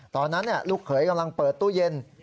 ตอนนั้นลูกเขยกำลังเปิดตู้เย็น